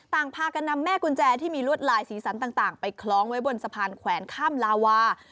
ต่างพากันนำแม่กุญแจที่มีลวดลายสีสันต่างไปคล้องไว้บนสะพานแขวนข้ามลาวา